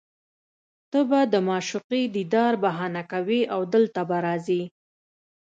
ته به د معشوقې دیدار بهانه کوې او دلته به راځې